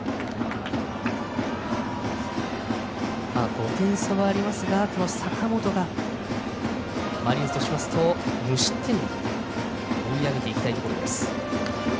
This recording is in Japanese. ５点差はありますが坂本がマリーンズとしますと無失点で追い上げていきたいところです。